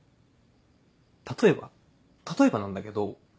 例えば例えばなんだけど。